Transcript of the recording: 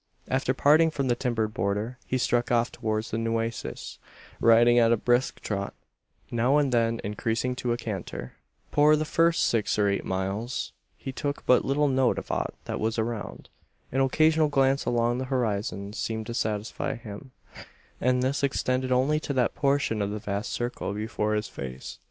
After parting from the timbered border, he struck off towards the Nueces; riding at a brisk trot now and then increasing to a canter. Por the first six or eight miles he took but little note of aught that was around. An occasional glance along the horizon seemed to satisfy him; and this extended only to that portion of the vast circle before his face.